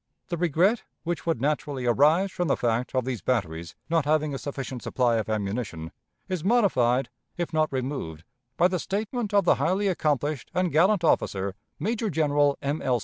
The regret which would naturally arise from the fact of these batteries not having a sufficient supply of ammunition is modified, if not removed, by the statement of the highly accomplished and gallant officer, Major General M. L.